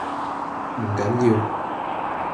唔緊要